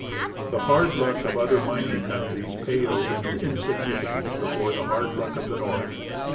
The hard luck of other mining countries pales into insignificance before the hard luck of the North.